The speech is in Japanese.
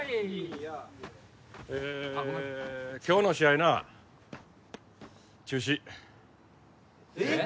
ええ今日の試合な中止えっ？